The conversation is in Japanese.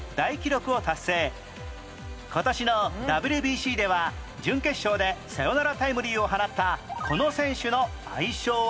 今年の ＷＢＣ では準決勝でサヨナラタイムリーを放ったこの選手の愛称は？